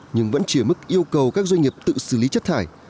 nhưng vẫn chỉ ở mức yêu cầu các doanh nghiệp tự xử lý chất thải